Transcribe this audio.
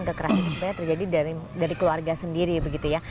terus kita kebanyakan kekerasan supaya terjadi dari keluarga sendiri begitu ya